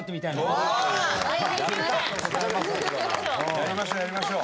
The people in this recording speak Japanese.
やりましょうやりましょう。